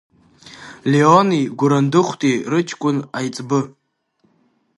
Леони Гәырандыхәти рыҷкәын аиҵбы.